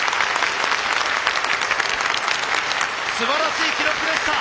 すばらしい記録でした！